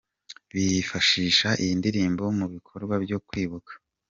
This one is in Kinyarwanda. Bifashisha iyi ndirimbo mu bikorwa byo Kwibuka.